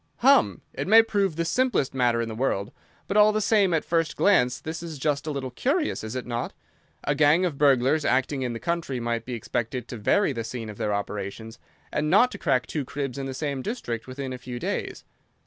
"Hum! It may prove the simplest matter in the world, but all the same at first glance this is just a little curious, is it not? A gang of burglars acting in the country might be expected to vary the scene of their operations, and not to crack two cribs in the same district within a few days.